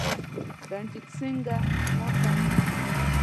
رنجیټ سینګه ماته وکړه.